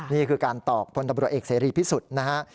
นี่คือการตอบพลตำรวจเอกเสรีพิสุทธิ์นะฮะ